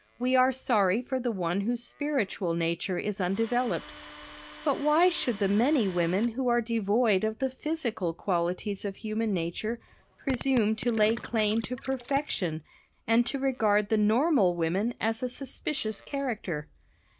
We are sorry for the one whose spiritual nature is undeveloped. But why should the many women who are devoid of the physical qualities of human nature presume to lay claim to perfection and to regard the normal woman as a suspicious character?